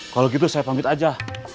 kalau gitu saya pamit aja